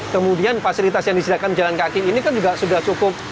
kemudian fasilitas yang disediakan jalan kaki ini kan juga sudah cukup